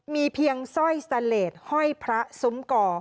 มีเพียงสร้อยสแตนเลสห้อยพระซุ้มก่อ